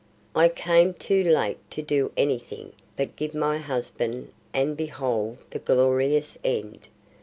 I came too late to do any thing but give my husband and behold the glorious end.